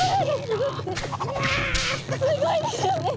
すごいですよね。